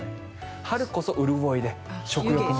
春こそうるおいで、食欲も。